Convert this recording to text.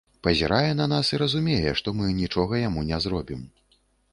Пазірае на нас і разумее, што мы нічога яму не зробім.